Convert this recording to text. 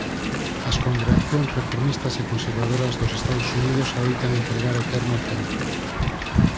As congregacións reformistas e conservadoras dos Estados Unidos adoitan empregar o termo "templo.